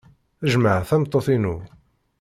Jjmeɣ tameṭṭut-inu.